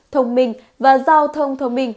thông minh và giao thông thông minh